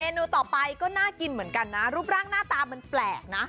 นูต่อไปก็น่ากินเหมือนกันนะรูปร่างหน้าตามันแปลกนะ